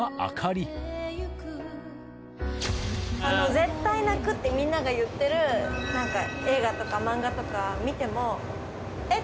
絶対泣くってみんなが言ってる映画とか漫画とか見てもえっ？